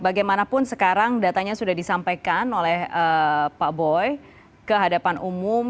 bagaimanapun sekarang datanya sudah disampaikan oleh pak boy ke hadapan umum